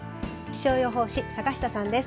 気象予報士、坂下さんです。